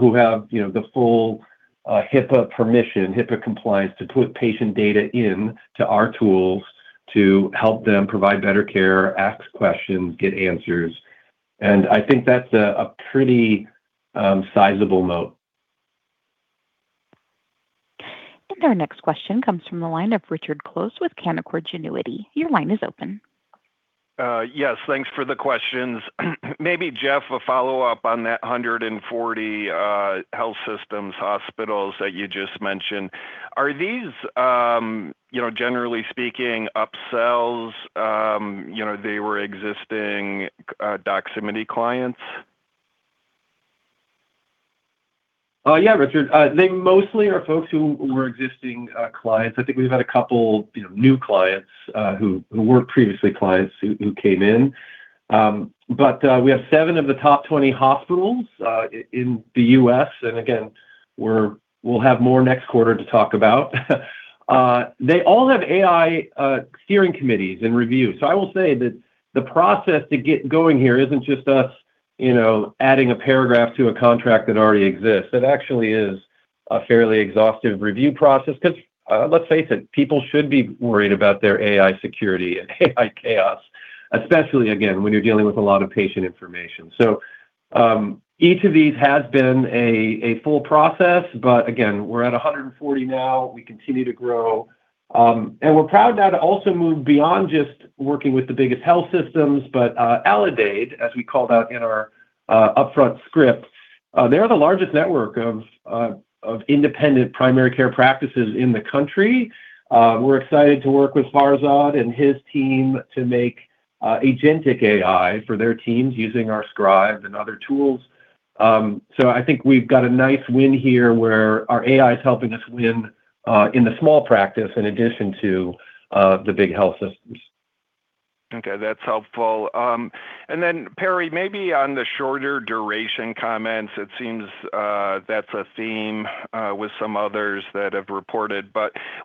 who have, you know, the full HIPAA permission, HIPAA compliance to put patient data in to our tools to help them provide better care, ask questions, get answers. I think that's a pretty sizable moat. Our next question comes from the line of Richard Close with Canaccord Genuity. Your line is open. Yes. Thanks for the questions. Maybe Jeff, a follow-up on that 140 health systems, hospitals that you just mentioned. Are these, you know, generally speaking, upsells, you know, they were existing Doximity clients? Yeah, Richard. They mostly are folks who were existing clients. I think we've had a couple, you know, new clients who weren't previously clients who came in. We have seven of the top 20 hospitals in the U.S., and again, we'll have more next quarter to talk about. They all have AI steering committees and reviews. I will say that the process to get going here isn't just us, you know, adding a paragraph to a contract that already exists. It actually is a fairly exhaustive review process 'cause, let's face it, people should be worried about their AI security and AI chaos, especially again, when you're dealing with a lot of patient information. Each of these has been a full process, but again, we're at 140 now. We continue to grow. We're proud now to also move beyond just working with the biggest health systems, but Aledade, as we called out in our upfront script. They're the largest network of independent primary care practices in the country. We're excited to work with Farzad and his team to make agentic AI for their teams using our Scribe and other tools. I think we've got a nice win here where our AI's helping us win in the small practice in addition to the big health systems. Okay, that's helpful. Perry, maybe on the shorter duration comments, it seems that's a theme with some others that have reported.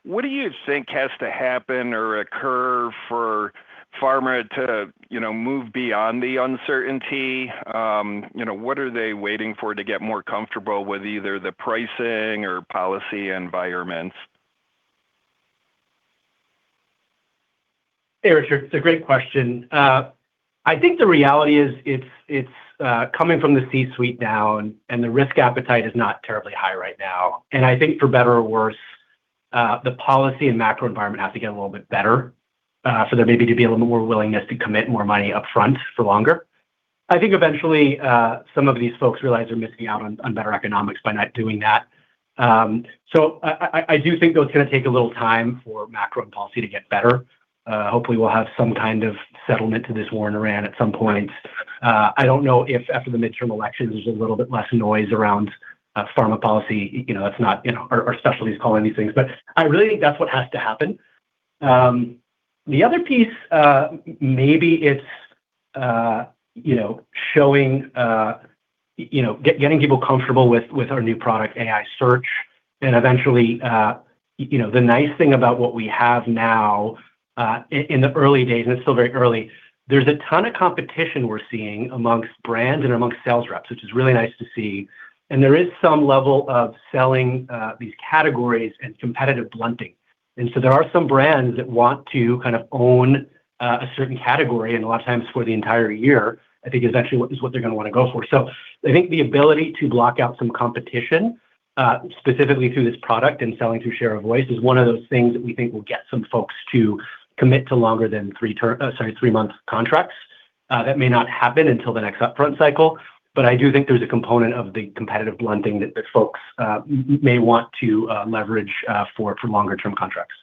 What do you think has to happen or occur for pharma to, you know, move beyond the uncertainty? You know, what are they waiting for to get more comfortable with either the pricing or policy environments? Hey, Richard. It's a great question. I think the reality is it's coming from the C-suite down, the risk appetite is not terribly high right now. I think for better or worse, the policy and macro environment has to get a little bit better for there maybe to be a little more willingness to commit more money upfront for longer. I think eventually, some of these folks realize they're missing out on better economics by not doing that. I do think, though, it's gonna take a little time for macro and policy to get better. Hopefully we'll have some kind of settlement to this war in Iran at some point. I don't know if after the midterm elections, there's a little bit less noise around pharma policy. You know, that's not, you know our specialty is calling these things. I really think that's what has to happen. The other piece, maybe it's, you know, showing, you know, getting people comfortable with our new product, AI Search, and eventually, you know, the nice thing about what we have now, in the early days, and it's still very early, there's a ton of competition we're seeing amongst brands and amongst sales reps, which is really nice to see. There is some level of selling, these categories and competitive blunting. There are some brands that want to kind of own, a certain category, and a lot of times for the entire year, I think is actually what, is what they're gonna wanna go for. I think the ability to block out some competition, specifically through this product and selling through share of voice, is one of those things that we think will get some folks to commit to longer than three months contracts. That may not happen until the next upfront cycle, but I do think there's a component of the competitive blunting that folks may want to leverage for longer term contracts.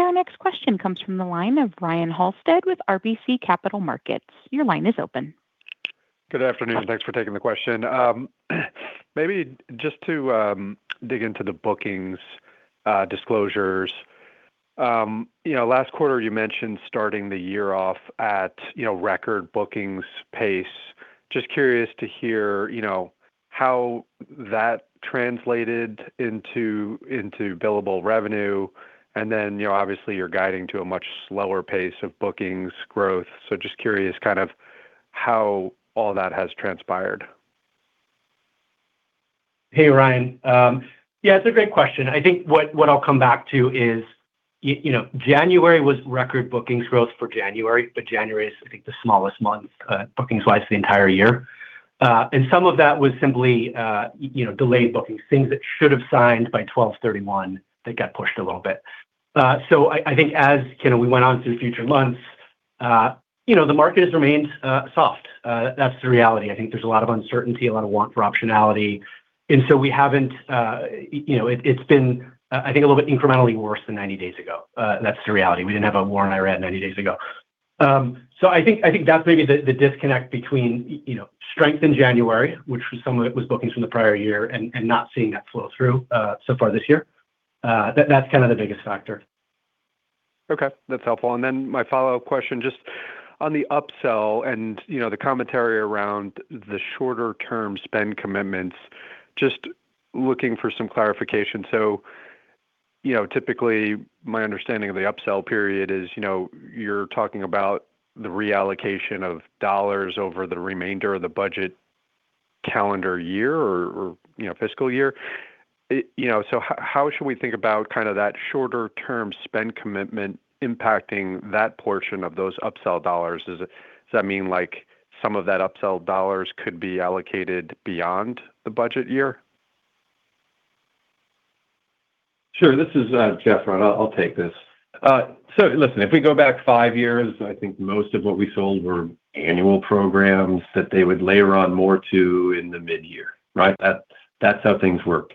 Our next question comes from the line of Ryan Halsted with RBC Capital Markets. Your line is open. Good afternoon. Thanks for taking the question. maybe just to dig into the bookings disclosures. you know, last quarter you mentioned starting the year off at, you know, record bookings pace. Just curious to hear, you know, how that translated into billable revenue. you know, obviously you're guiding to a much slower pace of bookings growth, just curious kind of how all that has transpired. Hey, Ryan. Yeah, it's a great question. I think what I'll come back to is you know, January was record bookings growth for January. January is I think the smallest month bookings-wise for the entire year. Some of that was simply, you know, delayed bookings, things that should have signed by 12/31 that got pushed a little bit. I think as, you know, we went on through future months, you know, the market has remained soft. That's the reality. I think there's a lot of uncertainty, a lot of want for optionality. We haven't, you know, it's been, I think a little bit incrementally worse than 90 days ago. That's the reality. We didn't have a war in Iran 90 days ago. I think that's maybe the disconnect between, you know, strength in January, which was some of it was bookings from the prior year, and not seeing that flow through so far this year. That's kind of the biggest factor. Okay, that's helpful. Then my follow-up question, just on the upsell and, you know, the commentary around the shorter term spend commitments, just looking for some clarification. You know, typically my understanding of the upsell period is, you know, you're talking about the reallocation of dollars over the remainder of the budget calendar year or, you know, fiscal year. You know, how should we think about kind of that shorter term spend commitment impacting that portion of those upsell dollars? Does that mean, like, some of that upsell dollars could be allocated beyond the budget year? Sure. This is Jeff, Ryan. I'll take this. Listen, if we go back five years, I think most of what we sold were annual programs that they would layer on more to in the mid-year, right? That's how things work.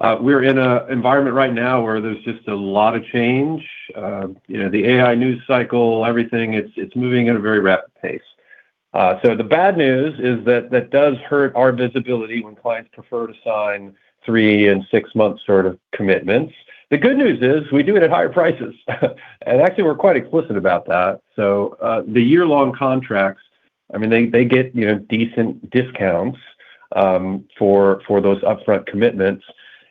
We're in an environment right now where there's just a lot of change. you know, the AI news cycle, everything, it's moving at a very rapid pace. The bad news is that does hurt our visibility when clients prefer to sign three and six-month sort of commitments. The good news is we do it at higher prices. Actually, we're quite explicit about that. The year-long contracts, I mean, they get, you know, decent discounts for those upfront commitments.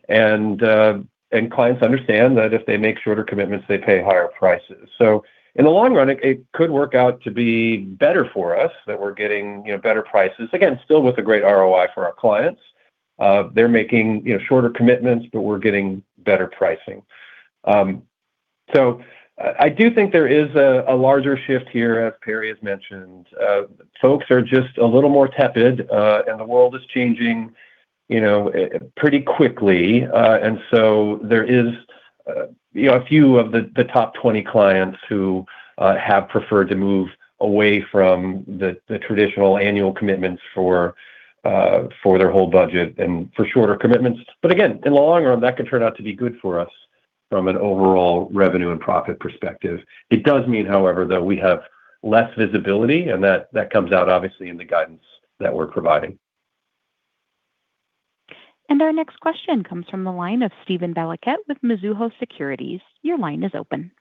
Clients understand that if they make shorter commitments, they pay higher prices. In the long run, it could work out to be better for us that we're getting, you know, better prices. Again, still with a great ROI for our clients. They're making, you know, shorter commitments, but we're getting better pricing. I do think there is a larger shift here, as Perry has mentioned. Folks are just a little more tepid, and the world is changing, you know, pretty quickly. You know, a few of the top 20 clients who have preferred to move away from the traditional annual commitments for their whole budget and for shorter commitments. Again, in the long run, that could turn out to be good for us from an overall revenue and profit perspective. It does mean, however, that we have less visibility, that comes out obviously in the guidance that we're providing. Our next question comes from the line of Steven Valiquette with Mizuho Securities. Your line is open.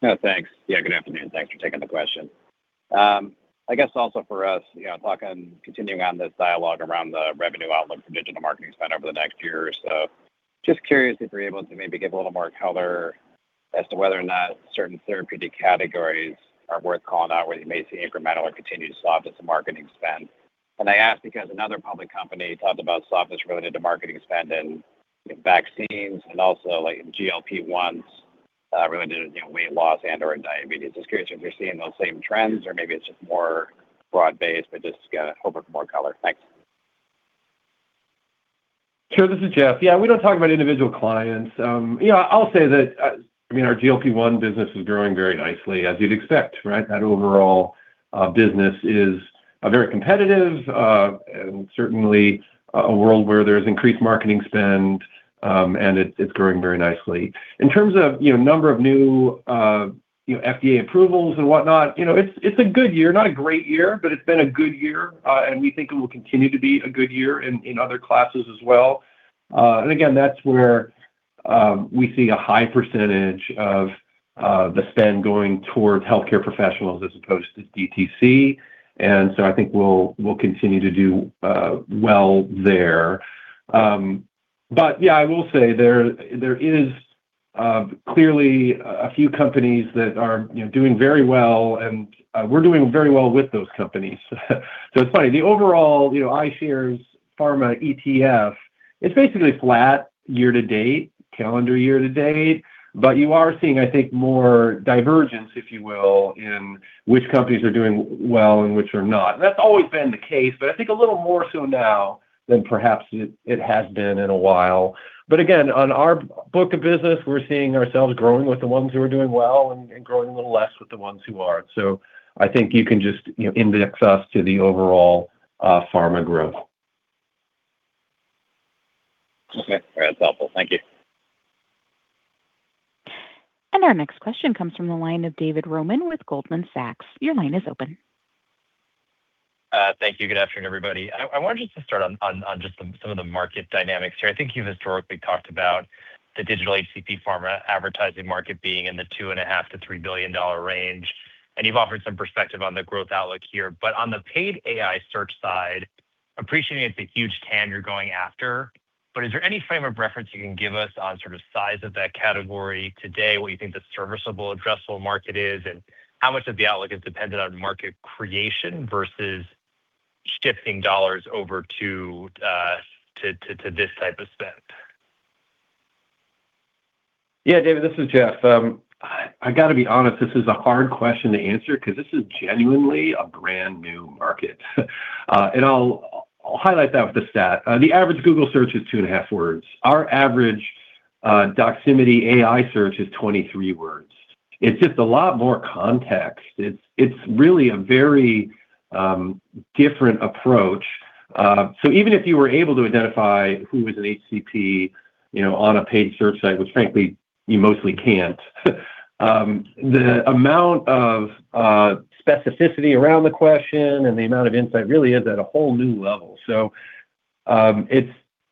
Yeah, thanks. Yeah, good afternoon. Thanks for taking the question. I guess also for us, you know, continuing on this dialogue around the revenue outlook for digital marketing spend over the next year or so, just curious if you're able to maybe give a little more color as to whether or not certain therapeutic categories are worth calling out where you may see incremental or continued softness in marketing spend. I ask because another public company talked about softness related to marketing spend in vaccines and also like GLP-1s, related to, you know, weight loss and/or in diabetes. I'm just curious if you're seeing those same trends or maybe it's just more broad-based, to get a little bit more color. Thanks. Sure. This is Jeff. Yeah, we don't talk about individual clients. You know, I mean, our GLP-1 business is growing very nicely, as you'd expect, right? That overall business is very competitive, and certainly a world where there's increased marketing spend, and it's growing very nicely. In terms of, you know, number of new, you know, FDA approvals and whatnot, you know, it's a good year, not a great year, but it's been a good year, and we think it will continue to be a good year in other classes as well. Again, that's where we see a high percentage of the spend going towards healthcare professionals as opposed to DTC. I think we'll continue to do well there. Yeah, I will say there is clearly a few companies that are, you know, doing very well and we're doing very well with those companies. It's funny, the overall, you know, iShares Pharma ETF, it's basically flat year-to-date, calendar year-to-date, you are seeing, I think, more divergence, if you will, in which companies are doing well and which are not. That's always been the case, I think a little more so now than perhaps it has been in a while. Again, on our book of business, we're seeing ourselves growing with the ones who are doing well and growing a little less with the ones who aren't. I think you can just, you know, index us to the overall pharma growth. Okay. That's helpful. Thank you. Our next question comes from the line of David Roman with Goldman Sachs. Your line is open. Thank you. Good afternoon, everybody. I wanted to start on just some of the market dynamics here. I think you've historically talked about the digital HCP pharma advertising market being in the $2.5 billion-$3 billion range, and you've offered some perspective on the growth outlook here. On the paid AI Search side, appreciating it's a huge TAM you're going after, is there any frame of reference you can give us on sort of size of that category today, what you think the serviceable addressable market is, and how much of the outlook is dependent on market creation versus shifting dollars over to this type of spend? David, this is Jeff. I gotta be honest, this is a hard question to answer because this is genuinely a brand new market. I'll highlight that with a stat. The average Google search is two and a half words. Our average Doximity AI Search is 23 words. It's just a lot more context. It's really a very different approach. Even if you were able to identify who is an HCP, you know, on a paid search site, which frankly you mostly can't, the amount of specificity around the question and the amount of insight really is at a whole new level.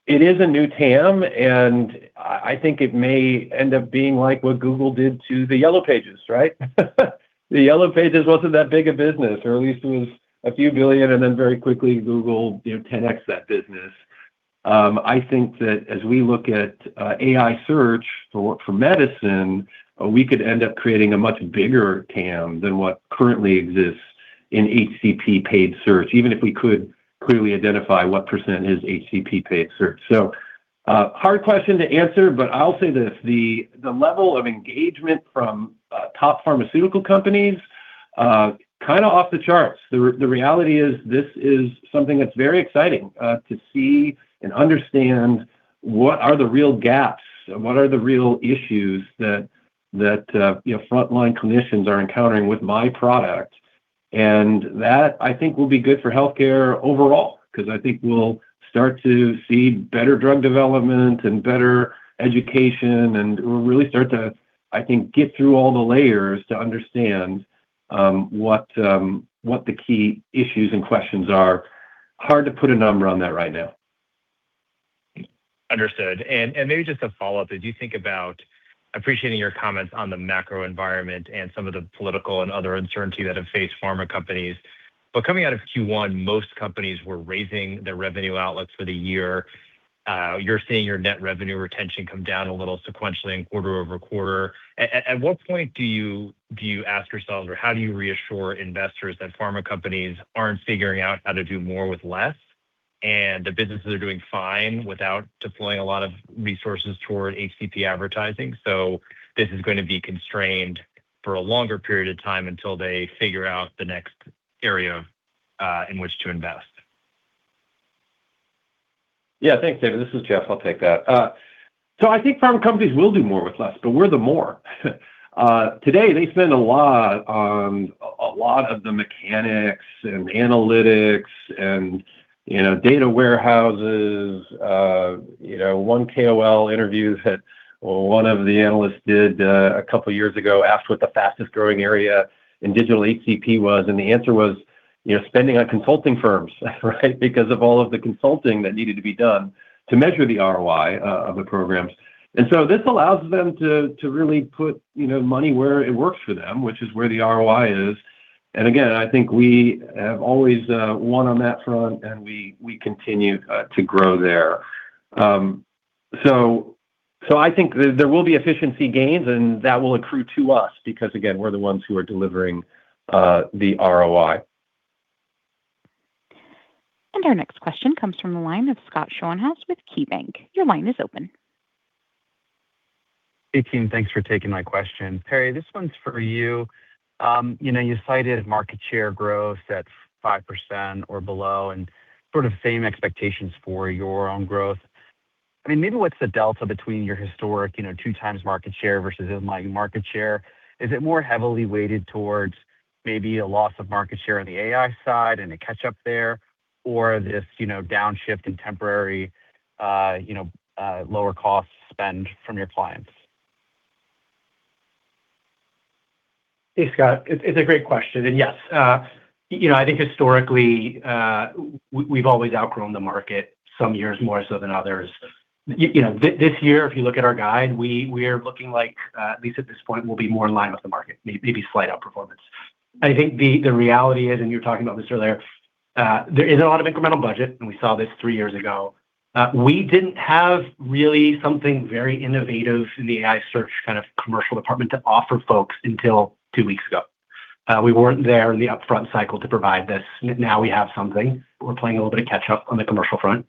It is a new TAM, and I think it may end up being like what Google did to the Yellow Pages, right? The Yellow Pages wasn't that big a business, or at least it was a few billion, then very quickly Google, you know, 10X'd that business. I think that as we look at AI Search for medicine, we could end up creating a much bigger TAM than what currently exists in HCP paid search, even if we could clearly identify what % is HCP paid search. Hard question to answer, I'll say this, the level of engagement from top pharmaceutical companies, kinda off the charts. The reality is this is something that's very exciting to see and understand what are the real gaps and what are the real issues that, you know, frontline clinicians are encountering with my product. That, I think, will be good for healthcare overall, 'cause I think we'll start to see better drug development and better education, and we'll really start to, I think, get through all the layers to understand what the key issues and questions are. Hard to put a number on that right now. Understood. Maybe just a follow-up, as you think about appreciating your comments on the macro environment and some of the political and other uncertainty that have faced pharma companies, Coming out of Q1, most companies were raising their revenue outlets for the year. You're seeing your net revenue retention come down a little sequentially in quarter-over-quarter. At what point do you ask yourselves, or how do you reassure investors that pharma companies aren't figuring out how to do more with less, and the businesses are doing fine without deploying a lot of resources toward HCP advertising, so this is gonna be constrained for a longer period of time until they figure out the next area in which to invest? Thanks, David. This is Jeff. I'll take that. I think pharma companies will do more with less, but we're the more. Today they spend a lot on a lot of the mechanics and analytics and, you know, data warehouses. You know, one KOL interview that one of the analysts did two years ago asked what the fastest growing area in digital HCP was, and the answer was, you know, spending on consulting firms. Because of all of the consulting that needed to be done to measure the ROI of the programs. This allows them to really put, you know, money where it works for them, which is where the ROI is. Again, I think we have always won on that front and we continue to grow there. I think there will be efficiency gains and that will accrue to us because, again, we're the ones who are delivering the ROI. Our next question comes from the line of Scott Schoenhaus with KeyBanc. Your line is open. Hey, team. Thanks for taking my question. Perry, this one's for you. You know, you cited market share growth at 5% or below and sort of same expectations for your own growth. I mean, maybe what's the delta between your historic, you know, two times market share versus in line market share? Is it more heavily weighted towards maybe a loss of market share on the AI side and a catch-up there, or this, you know, downshift in temporary, you know, lower cost spend from your clients? Hey, Scott. It's a great question. Yes, you know, I think historically, we've always outgrown the market some years more so than others. You know, this year, if you look at our guide, we are looking like, at least at this point, we'll be more in line with the market, maybe slight outperformance. I think the reality is, and you were talking about this earlier, there isn't a lot of incremental budget, and we saw this three years ago. We didn't have really something very innovative in the AI Search kind of commercial department to offer folks until two weeks ago. We weren't there in the upfront cycle to provide this. Now we have something. We're playing a little bit of catch-up on the commercial front.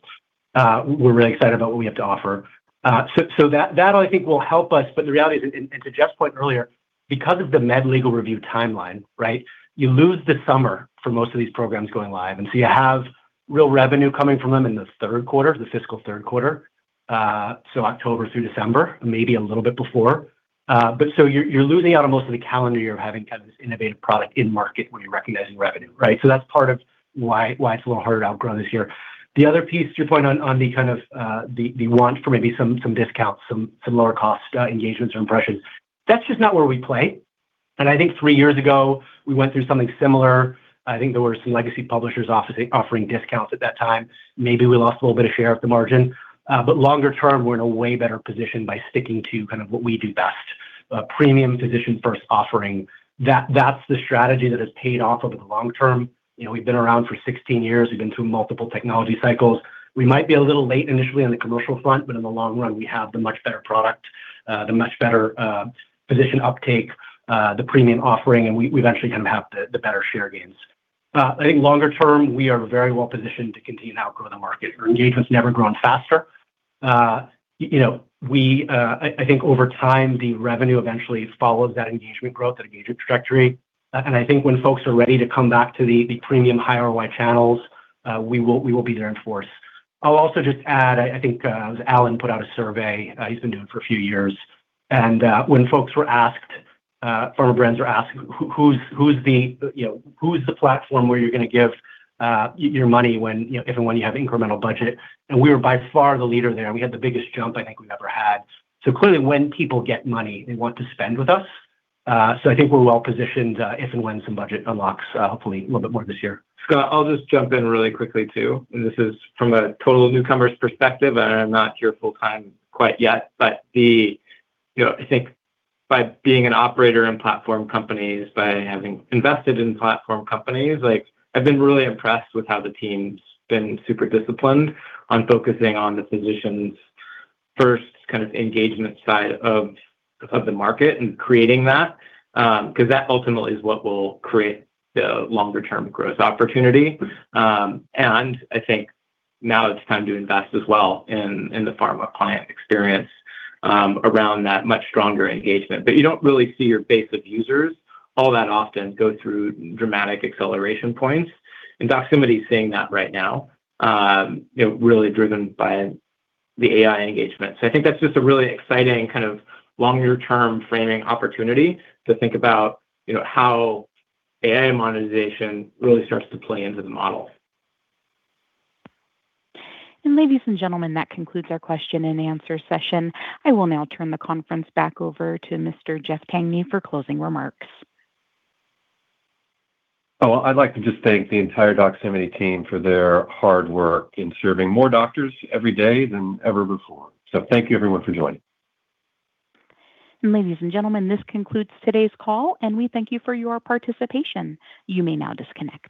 We're really excited about what we have to offer. That I think will help us. The reality is, and to Jeff's point earlier, because of the med-legal review timeline, right, you lose the summer for most of these programs going live. You have real revenue coming from them in the third quarter, the fiscal third quarter, October through December, maybe a little bit before. You're losing out on most of the calendar year having kind of this innovative product in market when you're recognizing revenue, right? That's part of why it's a little harder to outgrow this year. The other piece to your point on the kind of the want for maybe some discounts, some lower cost engagements or impressions, that's just not where we play. I think three years ago, we went through something similar. I think there were some legacy publishers also offering discounts at that time. Maybe we lost a little bit of share of the margin. Longer term, we're in a way better position by sticking to kind of what we do best. A premium physician first offering. That's the strategy that has paid off over the long term. You know, we've been around for 16 years. We've been through multiple technology cycles. We might be a little late initially on the commercial front, but in the long run, we have the much better product, the much better physician uptake, the premium offering, and we eventually kind of have the better share gains. I think longer term, we are very well positioned to continue to outgrow the market. Our engagement's never grown faster. You know, I think over time, the revenue eventually follows that engagement growth, that engagement trajectory. I think when folks are ready to come back to the premium high ROI channels, we will be there in force. I'll also just add, I think it was Allen put out a survey he's been doing for a few years. When folks were asked, pharma brands were asked who's the, you know, who's the platform where you're gonna give your money when, you know, if and when you have incremental budget. We were by far the leader there, and we had the biggest jump I think we've ever had. Clearly when people get money, they want to spend with us. I think we're well positioned, if and when some budget unlocks, hopefully a little bit more this year. Scott, I'll just jump in really quickly too. This is from a total newcomer's perspective, and I'm not here full-time quite yet. You know, I think by being an operator in platform companies, by having invested in platform companies, like, I've been really impressed with how the team's been super disciplined on focusing on the physicians first kind of engagement side of the market and creating that. That ultimately is what will create the longer term growth opportunity. I think now it's time to invest as well in the pharma client experience around that much stronger engagement. You don't really see your base of users all that often go through dramatic acceleration points. Doximity's seeing that right now, you know, really driven by the AI engagement. I think that's just a really exciting kind of longer term framing opportunity to think about, you know, how AI monetization really starts to play into the model. Ladies and gentlemen, that concludes our question-and-answer session. I will now turn the conference back over to Mr. Jeff Tangney for closing remarks. I'd like to just thank the entire Doximity team for their hard work in serving more doctors every day than ever before. Thank you everyone for joining. Ladies and gentlemen, this concludes today's call, and we thank you for your participation. You may now disconnect.